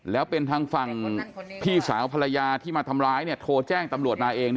แล้วเป็นทางฝั่งพี่สาวภรรยาที่มาทำร้ายเนี่ยโทรแจ้งตำรวจมาเอง